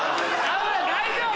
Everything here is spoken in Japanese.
大丈夫？